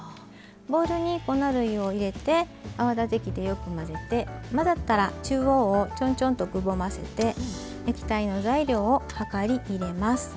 ボウルに粉類を入れて泡立て器でよく混ぜて混ざったら中央をちょんちょんとくぼませて液体の材料を量り入れます。